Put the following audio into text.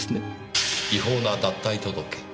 違法な脱退届？